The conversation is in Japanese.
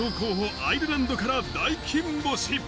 ・アイルランドから大金星。